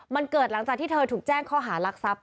มันเกิดหลังจากที่เธอถูกแจ้งข้อหารักทรัพย